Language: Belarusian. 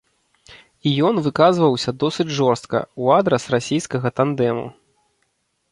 І ён выказваўся досыць жорстка ў адрас расійскага тандэму.